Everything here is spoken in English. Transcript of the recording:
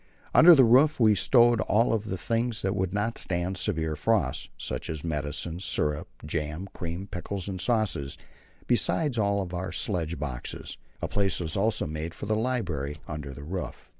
Under the roof were stowed all the things that would not stand severe frost, such as medicines, syrup, jam, cream, pickles, and sauces, besides all our sledge boxes. A place was also made for the library under the roof.